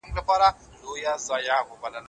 زه به درسره ګورم